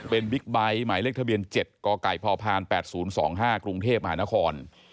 เป็นบิ๊กไบท์หมายเลขทะเบียน๗กไก่พพ๘๐๒๕กรุงเทพมหานคร